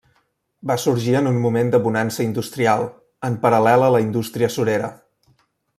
Va sorgir en un moment de bonança industrial, en paral·lel a la indústria surera.